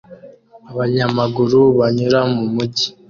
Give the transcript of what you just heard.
Abanyamaguru banyura mu mujyi